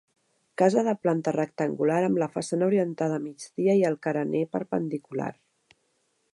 Casa de planta rectangular amb la façana orientada a migdia i el carener perpendicular.